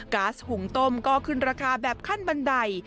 ๊าซหุงต้มก็ขึ้นราคาแบบขั้นบันได